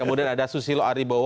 kemudian ada susilo aribo